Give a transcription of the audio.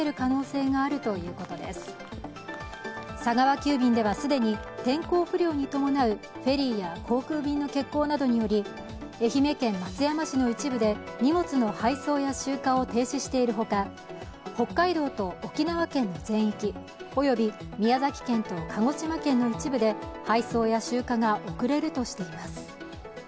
急便では既に天候不良に伴うフェリーや航空便の欠航などにより愛媛県松山市の一部で荷物の配送や集荷を停止しているほか北海道と沖縄県の全域、および宮崎県と鹿児島県の一部で配送や集荷が遅れるとしています。